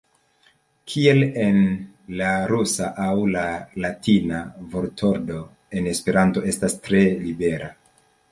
Kiel en la rusa aŭ la latina, vortordo en Esperanto estas tre libera.